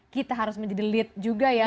kita harus menjadi lead juga ya